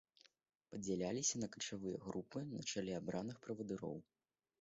Падзяляліся на качавыя групы на чале абраных правадыроў.